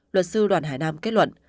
luật sư đoàn hải nam kết luận